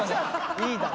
いいだろ。